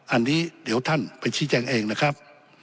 อันนี้เดี๋ยวท่านไปชี้แจงเองนะครับ